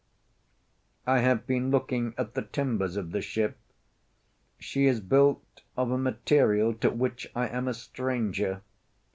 I have been looking at the timbers of the ship. She is built of a material to which I am a stranger.